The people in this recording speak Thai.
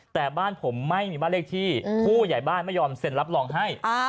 แต่บ้านผมไม่มีบ้านเลขที่ผู้ใหญ่บ้านไม่ยอมเซ็นรับรองให้